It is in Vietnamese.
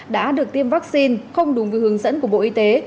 đã được tiêm vaccine không đúng với hướng dẫn của bộ y tế